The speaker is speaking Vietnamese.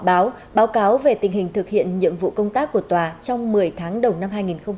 báo báo cáo về tình hình thực hiện nhiệm vụ công tác của tòa trong một mươi tháng đầu năm hai nghìn hai mươi bốn